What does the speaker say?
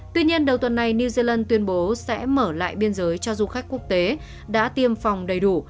tuy nhiên đầu tuần này new zealand tuyên bố sẽ mở lại biên giới cho du khách quốc tế đã tiêm phòng đầy đủ